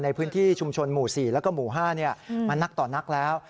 ในพื้นที่ชุมชนหมู่๔แล้วก็หมู่๕มานักต่อนักแล้ว